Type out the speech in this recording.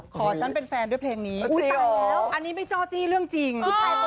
ฉันเป็นแฟนด้วยเพลงนี้อุ้ยตายแล้วอันนี้ไม่จ้อจี้เรื่องจริง